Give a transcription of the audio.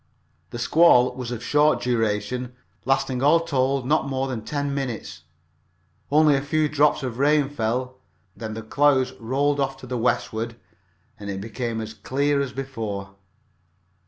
The squall was of short duration, lasting all told not more than ten minutes. Only a few drops of rain fell. Then the clouds rolled off to the westward and it became as clear as before.